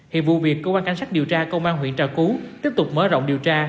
hiện vụ việc cơ quan cảnh sát điều tra công an huyện trà cú tiếp tục mở rộng điều tra